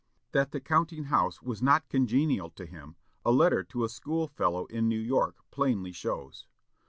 That the counting house was not congenial to him, a letter to a school fellow in New York plainly shows.